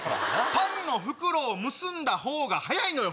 パンの袋を結んだほうが早いのよ。